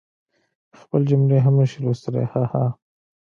خپلي جملی هم نشي لوستلی هههه